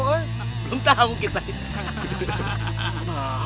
belum tahu kita itu